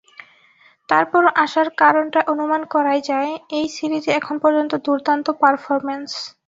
তার পরও আশার কারণটা অনুমান করাই যায়—এই সিরিজে এখন পর্যন্ত দুর্দান্ত পারফরম্যান্স।